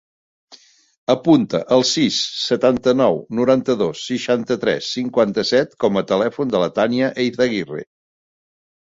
Apunta el sis, setanta-nou, noranta-dos, seixanta-tres, cinquanta-set com a telèfon de la Tània Eizaguirre.